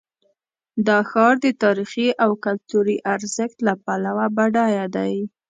دا ښار د تاریخي او کلتوري ارزښت له پلوه بډایه دی.